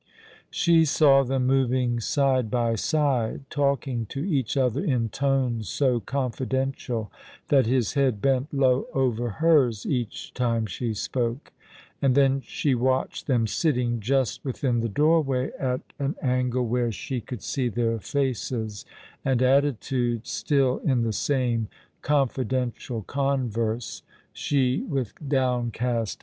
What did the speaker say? She saw them moving side by side, talking to each other in tones so confidential that his head bent low over hers each time she spoke ; and then she watched them sitting just within the doorway, at an angle where she could see their faces, and attitudes, still in the same confidential converse, she with downcast eyes.